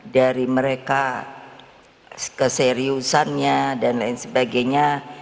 dari mereka keseriusannya dan lain sebagainya